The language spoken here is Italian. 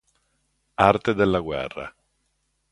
Arte della guerra